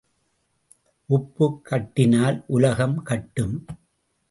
உப்புக் கட்டினால் உலகம் கட்டும்.